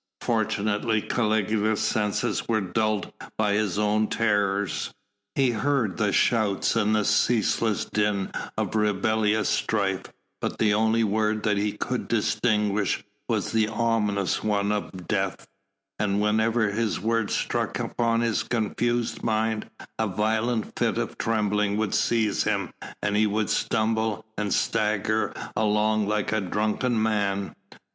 Fortunately Caligula's senses were dulled by his own terrors. He heard the shouts and the ceaseless din of rebellious strife but the only word that he could distinguish was the ominous one of "Death," and whenever this word struck upon his confused mind a violent fit of trembling would seize him and he would stumble and stagger along like a drunken man.